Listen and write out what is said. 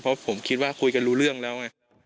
เพราะผมคิดว่าคุยกันรู้เรื่องแล้วไง